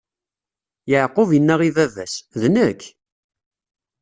Yeɛqub inna i baba-s: D nekk!